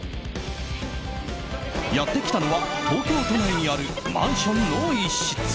やってきたのは東京都内にあるマンションの一室。